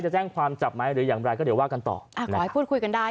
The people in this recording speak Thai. แจ้งความจับไหมหรืออย่างไรก็เดี๋ยวว่ากันต่ออ่าขอให้พูดคุยกันได้